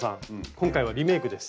今回はリメイクです。